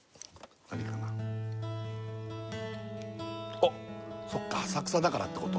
おっそうか浅草だからってこと？